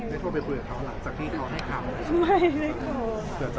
ไม่โทรไปพูดกับเขาหลังจากที่เขาให้ทำ